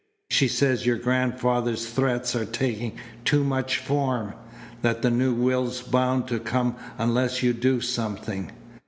She says your grandfather's threats are taking too much form; that the new will's bound to come unless you do something.